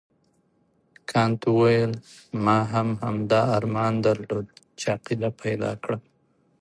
کانت وویل ما هم همدا ارمان درلود چې عقیده پیدا کړم.